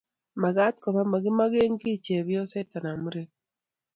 mekat koba makimeken kiy tos chepyoset anan murenet